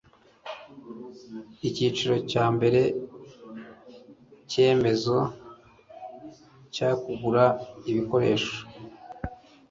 icyiciro cya mbere icyemezo cyo kugura ibikoresho